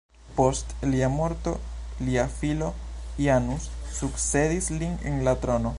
Post lia morto, lia filo Janus sukcedis lin en la trono.